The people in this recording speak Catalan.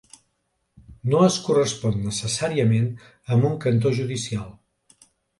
No es correspon necessàriament amb un cantó judicial.